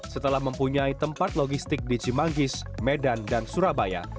setelah mempunyai tempat logistik di cimanggis medan dan surabaya